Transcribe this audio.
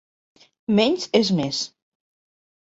Menys es més.